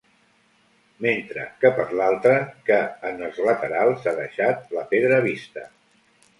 Mentre que per l'altra, que en els laterals s'ha deixat la pedra vista.